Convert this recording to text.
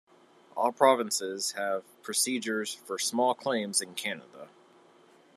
All provinces have procedures for small claims in Canada.